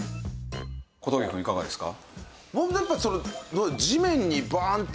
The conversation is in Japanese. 小峠くんいかがですか？